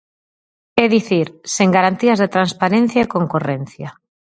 É dicir, sen garantías de transparencia e concorrencia.